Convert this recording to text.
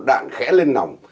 đạn khẽ lên nòng